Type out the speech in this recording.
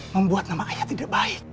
membuat nama ayah tidak baik